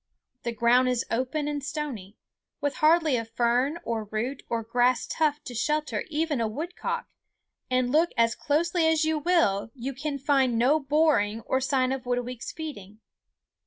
The ground is open and stony, with hardly a fern or root or grass tuft to shelter even a woodcock; and look as closely as you will you can find no boring or sign of Whitooweek's feeding.